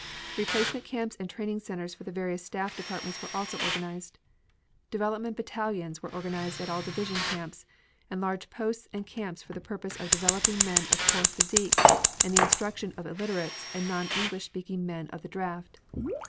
Replacement camps and training centers for the various staff departments were also organized. Development battalions were organized at all division camps and large posts and camps for the purpose of developing men of poor physique and the instruction of illiterates and non English speaking men of the draft.